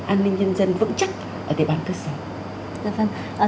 an ninh nhân dân vững chắc ở địa bàn cơ sở